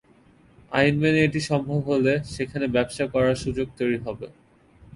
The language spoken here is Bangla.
আইন মেনে এটি সম্ভব হলে সেখানে ব্যবসা করার সুযোগ তৈরি হবে।